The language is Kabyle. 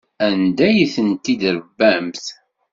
Anda ay ten-id-tṛebbamt?